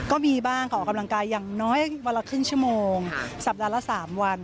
ก็มีบ้างขอออกกำลังกายอย่างน้อยวันละครึ่งชั่วโมงสัปดาห์ละ๓วัน